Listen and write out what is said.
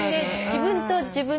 自分と自分。